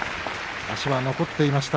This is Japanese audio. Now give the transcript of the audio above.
足は残っていました。